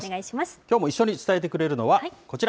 きょうも一緒に伝えてくれるのは、こちら。